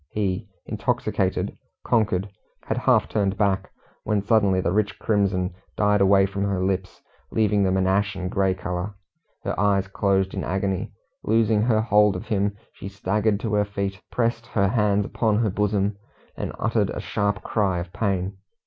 He, intoxicated, conquered, had half turned back, when suddenly the rich crimson died away from her lips, leaving them an ashen grey colour. Her eyes closed in agony; loosing her hold of him, she staggered to her feet, pressed her hands upon her bosom, and uttered a sharp cry of pain.